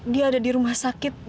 dia ada di rumah sakit